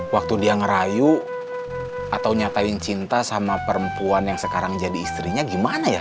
waktu dia ngerayu atau nyatain cinta sama perempuan yang sekarang jadi istrinya gimana ya